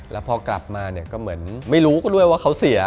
แล้วพอกลับมาเนี่ยก็เหมือนไม่รู้ด้วยว่าเขาเสีย